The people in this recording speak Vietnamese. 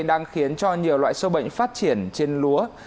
đang khiến cho nhiều loại sâu bệnh phát triển trên lúa